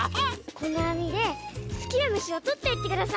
このあみですきなむしをとっていってください。